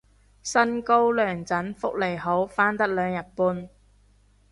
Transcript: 薪高糧準福利好返得兩日半